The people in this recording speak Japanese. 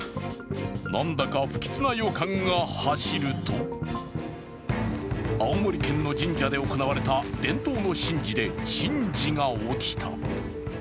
なんだか不吉な予感が走ると青森県の神社で行われた伝統の神事で珍事が起きた。